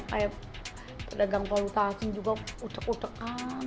kayak pedagang kawasan juga utek utekan